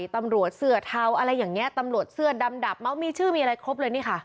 ตำรวจเสื้อเทาอะไรอย่างนี้ตำรวจเสื้อดำดับเม้ามีชื่อมีอะไรครบเลยนี่ค่ะ